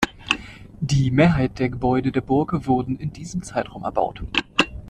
Die Mehrheit der Gebäude der Burg wurde in diesem Zeitraum erbaut.